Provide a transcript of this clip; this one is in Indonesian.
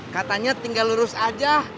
katanya tinggal lurus aja